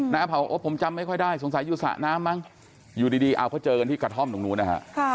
เผาโอ้ผมจำไม่ค่อยได้สงสัยอยู่สระน้ำมั้งอยู่ดีเอาเขาเจอกันที่กระท่อมตรงนู้นนะฮะ